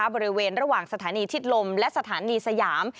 บริเวณระหว่างสถานีชิดลมและสถานีสยาม